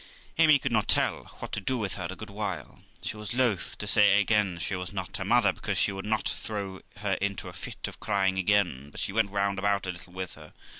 Amy could not tell what to do with her a good while; she was loth to say again she was not her mother, because she would not throw her into a fit of crying again; but she went round about a littte with her.